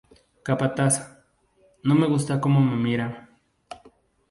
Capataz: No me gusta cómo me mira.